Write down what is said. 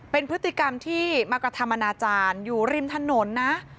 เป็นพฤติกรรมที่มากระทำอนาจารย์อยู่ริมถนนนะ